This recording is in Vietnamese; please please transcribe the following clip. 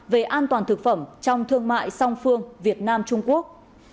về an toàn thực phẩm trong thương mại song phương việt nam trung quốc